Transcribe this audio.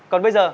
còn bây giờ